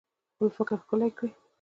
خپل فکر ښکلی کړئ